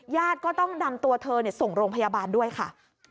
ญาติก็ต้องนำตัวเธอส่งโรงพยาบาลด้วยค่ะ